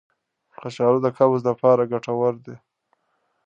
کچالو د قبض لپاره ګټور دی.